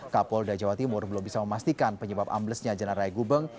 kapolda jawa timur belum bisa memastikan penyebab amblesnya jalan raya gubeng